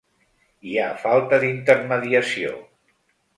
Hi ha falta d’intermediació.